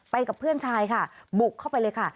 กับเพื่อนชายค่ะบุกเข้าไปเลยค่ะ